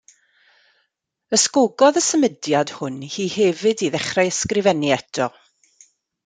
Ysgogodd y symudiad hwn hi hefyd i ddechrau ysgrifennu eto.